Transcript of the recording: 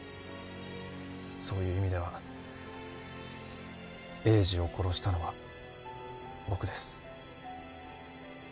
そういう意味では栄治を殺したのは僕です。